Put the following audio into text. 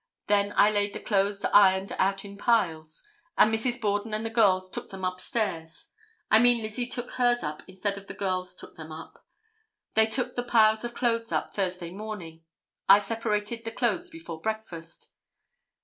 Then I laid the clothes ironed out in piles and Mrs. Borden and the girls took them up stairs. I mean Lizzie took hers up instead of the girls took them up. They took the piles of clothes up Thursday morning, I separated the clothes before breakfast.